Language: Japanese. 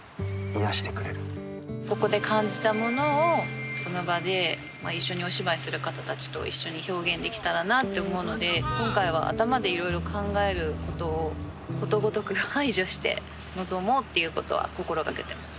ここで感じたものをその場で一緒にお芝居する方たちと一緒に表現できたらなと思うので今回は頭でいろいろ考えることをことごとく排除して臨もうっていうことは心がけてます。